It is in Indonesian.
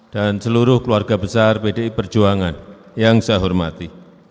dan seluruh keluarga besar bdi perjuangan yang saya hormati